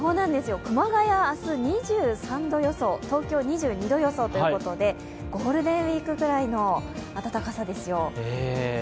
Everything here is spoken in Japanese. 熊谷、明日２３度予想、東京２２度予想ということでゴールデンウイークくらいの暖かさですよ。